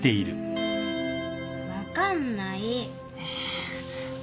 えっ分かんない？